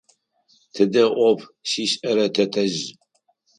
Тыдэ ӏоф щишӏэра тэтэжъ?